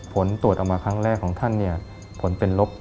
ผลตรวจออกมาครั้งแรกของท่านผลเป็นลบ